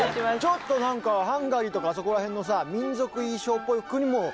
ちょっとなんかハンガリーとかあそこら辺のさ民族衣装っぽくにも見える。